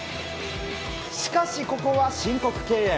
しかし、ここは申告敬遠。